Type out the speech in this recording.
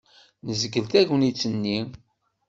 Nezgel tagnit-nni.